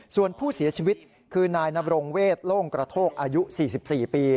ส่วนผู้เสียชีวิตคือนายนบรงเวทโล่งกระโทกอายุ๔๔ปี